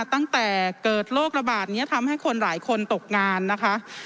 ตั้งแต่เกิดโรคระบาดนี้ทำให้คนหลายคนตกงานนะคะ